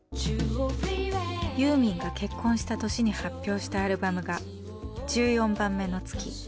ユーミンが結婚した年に発表したアルバムが「１４番目の月」。